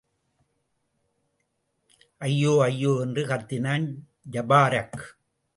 ஐயோ, ஐயோ! என்று கத்தினான் ஜபாரக்.